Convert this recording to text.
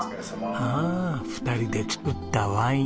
２人で造ったワイン。